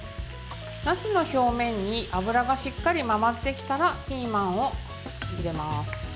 なすの表面に油がしっかり回ってきたらピーマンを入れます。